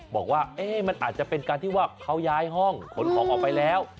บอกว่ามันอาจจะเป็นการที่ว่าเขาย้ายห้องขนของออกไปแล้ว